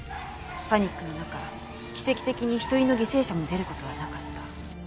パニックの中奇跡的に一人の犠牲者も出る事はなかった。